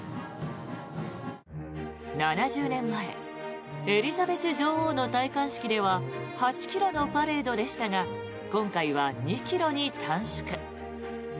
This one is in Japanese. ７０年前エリザベス女王の戴冠式では８ｋｍのパレードでしたが今回は２ｋｍに短縮。